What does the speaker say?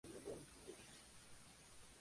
Casado con dos hijos.